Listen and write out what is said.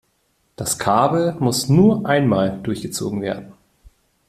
Das Kabel muss nur einmal durchgezogen werden.